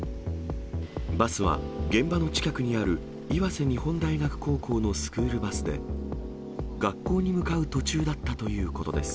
バスは現場の近くにある岩瀬日本大学高校のスクールバスで、学校に向かう途中だったということです。